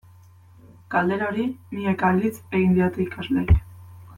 Galdera hori milaka aldiz egin didate ikasleek.